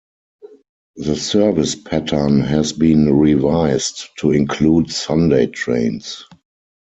The service pattern has been revised to include Sunday trains.